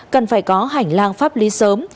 cần phải có hành lang pháp lý sớm